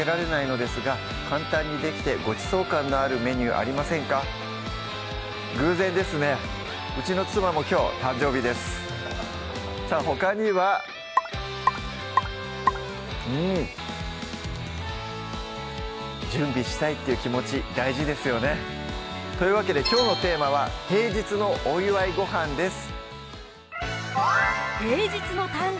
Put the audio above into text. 早速いってみましょう偶然ですねうちの妻もきょう誕生日ですさぁほかにはうん準備したいっていう気持ち大事ですよねというわけできょうのテーマは「平日のお祝いごはん」です